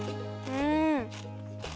うん！